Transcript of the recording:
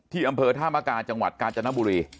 ที่อำเภอท่ามากายจังหวัดกาจณบุรี